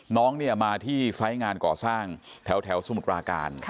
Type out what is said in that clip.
น้องเนี่ยมาที่ไซส์งานก่อสร้างแถวสมุทรปราการ